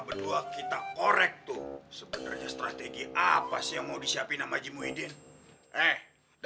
berdua kita korek tuh sebenarnya strategi apa sih yang mau disiapin nama haji muhyiddin eh